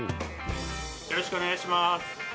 よろしくお願いします。